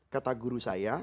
kata guru saya